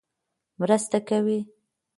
مرسته کوي.